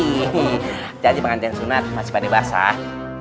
hati hati pengantin sunat masih pada basah